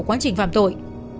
quá trình phạm tội